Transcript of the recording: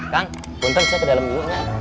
kang buntut saya ke dalam dulu ya